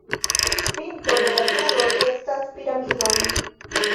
Pinto de la turoj estas piramidoj.